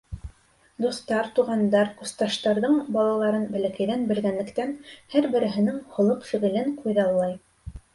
Дуҫтар, туғандар, курсташтарҙың балаларын бәләкәйҙән белгәнлектән, һәр береһенең холоҡ-фиғелен күҙаллай.